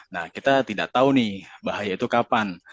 nah kita tidak tahu nih bahaya itu kapan